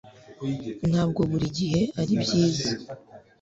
Ntabwo buri gihe ari byiza